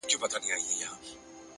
مثبت ذهن حل لارې پیدا کوي.